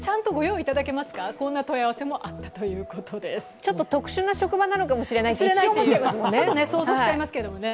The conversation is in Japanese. ちょっと特殊な職場なのかもしれないって一瞬思っちゃいますもんね。